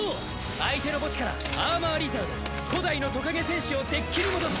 相手の墓地からアーマー・リザード古代のトカゲ戦士をデッキに戻す。